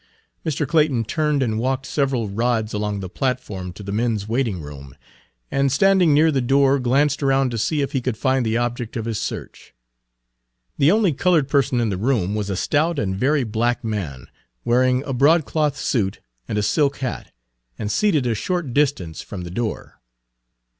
Mr. Clayton turned and walked several Page 116 rods along the platform to the men's waitingroom, and standing near the door glanced around to see if he could find the object of his search. The only colored person in the room was a stout and very black man, wearing a broadcloth suit and a silk hat, and seated a short distance from the door.